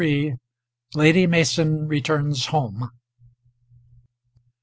LADY MASON RETURNS HOME.